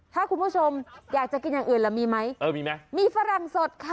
ถ้าคุณผู้ชมอยากจะกินอย่างอื่นล่ะมีไหมเออมีไหมมีฝรั่งสดค่ะ